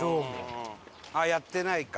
やってないか。